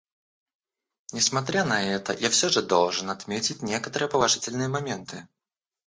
Несмотря на это, я все же должен отметить некоторые положительные моменты.